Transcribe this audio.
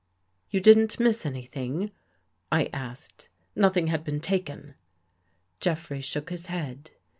"You didn't miss anything?" I asked. "Noth ing had been taken? " Jeffrey shook his head.